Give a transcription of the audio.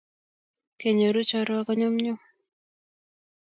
kenyoru chorwa ko nyumnyum